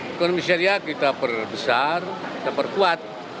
ekonomi syariah kita perbesar kita perkuat